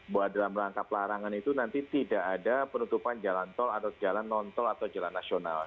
bahwa dalam rangka pelarangan itu nanti tidak ada penutupan jalan tol atau jalan non tol atau jalan nasional